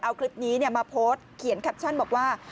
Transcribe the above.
เอาคลิปนี้มาโพสต์เขียนแคปชั่นบอกว่า